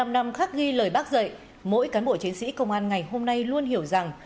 bảy mươi năm năm khắc ghi lời bác dạy mỗi cán bộ chiến sĩ công an ngày hôm nay luôn hiểu rằng